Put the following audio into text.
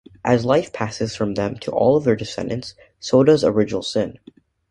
As life passes from them to all of their descendants, so does original sin.